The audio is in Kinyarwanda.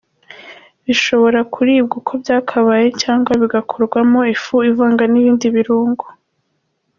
Bishobora kuribwa uko byakabaye cyangwa bigakorwamo ifu ivangwa n’ibindi birungo.